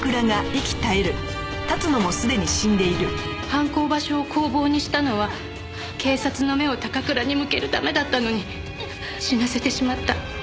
犯行場所を工房にしたのは警察の目を高倉に向けるためだったのに死なせてしまった。